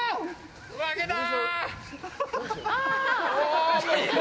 負けたー！